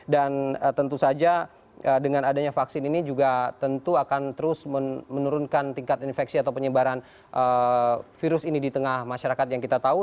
dan tentu saja dengan adanya vaksin ini juga tentu akan terus menurunkan tingkat infeksi atau penyebaran virus ini di tengah masyarakat yang kita tahu